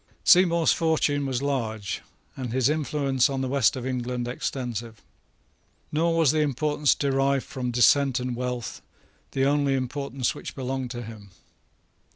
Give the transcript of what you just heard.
Seymour's fortune was large, and his influence in the West of England extensive. Nor was the importance derived from descent and wealth the only importance which belonged to him.